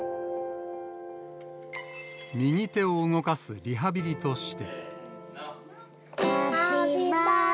右手を動かすリハビリとして。